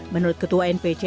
menurut ketua npc